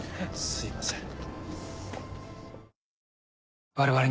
すいません。